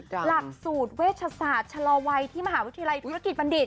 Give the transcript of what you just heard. หลักสูตรเวชศาสตร์ชะลอวัยที่มหาวิทยาลัยธุรกิจบัณฑิต